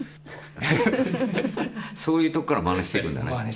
そういうところからまねしていくんだね。